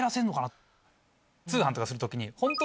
通販とかする時に。